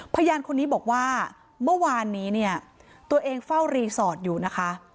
พยานคนนี้บอกว่าเมื่อวานนี้เนี่ยตัวเองเฝ้ารีสอร์ทอยู่นะคะ